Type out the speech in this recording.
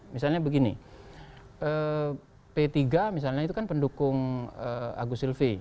misalnya begini p tiga misalnya itu kan pendukung agus silvi